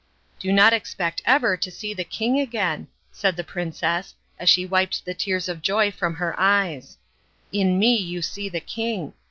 "Do not expect ever to see the king again," said the princess, as she wiped the tears of joy from her eyes, "in me you see the king.